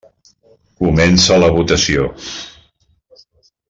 Comença la votació.